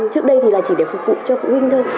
trước đây thì là chỉ để phục vụ cho phụ huynh thôi